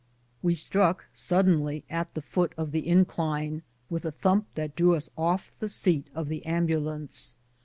"We struck suddenly at the foot of the incline, with a thump that threw us ofE the scat of the ambulance.